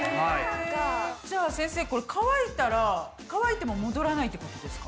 じゃあ先生これ乾いたら乾いても戻らないってことですか？